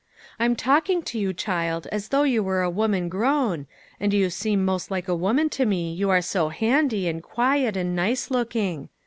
I'm talking to you, child, as though you were a woman grown, and you seem most like a woman to me, you are so handy, and quiet, and nice looking.